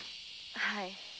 はい。